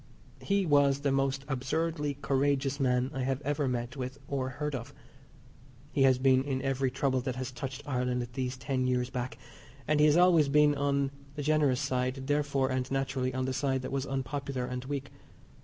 He was the most absurdly courageous man I have ever met with or heard of. He has been in every trouble that has touched Ireland these ten years back, and he has always been in on the generous side, therefore, and naturally, on the side that was unpopular and weak.